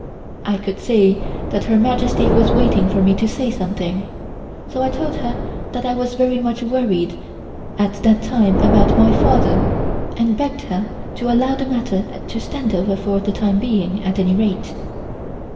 I could see that Her Majesty was waiting for me to say something, so I told her that I was very much worried at that time about my father and begged her to allow the matter to stand over for the time being at any rate.